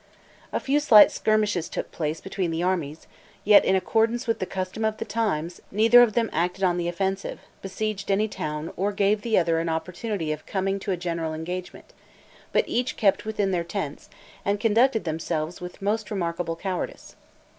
A few slight skirmishes took place between the armies; yet, in accordance with the custom of the times, neither of them acted on the offensive, besieged any town, or gave the other an opportunity of coming to a general engagement; but each kept within their tents, and conducted themselves with most remarkable cowardice.